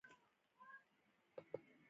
سهار او ماسپښین ازموینه وه.